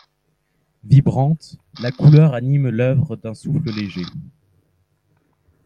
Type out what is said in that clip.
Vibrante, la couleur anime l’œuvre d’un souffle léger.